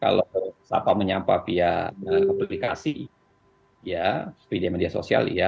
kalau sapa menyapa via aplikasi via media sosial ya